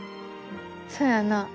そやな。